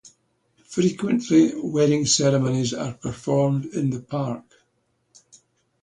Frequently, wedding ceremonies are performed in the Park.